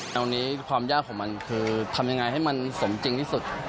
ตรงนี้ความยากของมันคือทำยังไงให้มันสมจริงที่สุด